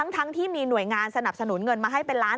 ทั้งที่มีหน่วยงานสนับสนุนเงินมาให้เป็นล้าน